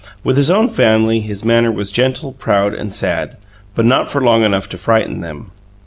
With his own family his manner was gentle, proud and sad, but not for long enough to frighten them.